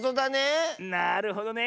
なるほどね。